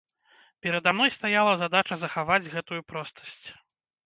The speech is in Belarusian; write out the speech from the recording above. Перада мной стаяла задача захаваць гэтую простасць.